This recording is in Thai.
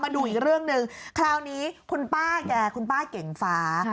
ดูอีกเรื่องหนึ่งคราวนี้คุณป้าแกคุณป้าเก่งฟ้า